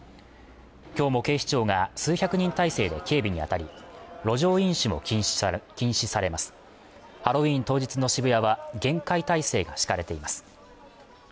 きょうも警視庁が数百人態勢で警備にあたり路上飲酒も禁止されますハロウィーン当日の渋谷は厳戒態勢が敷かれています